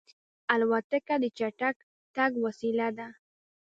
الوتکه د چټک تګ وسیله ده.